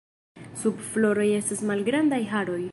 Sub floroj estas malgrandaj haroj.